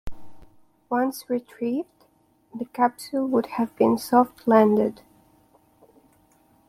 Once retrieved, the capsule would have been soft-landed.